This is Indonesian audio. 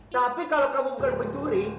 tapi kalau kamu bukan pencuri